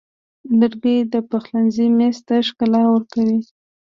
لرګی د پخلنځي میز ته ښکلا ورکوي.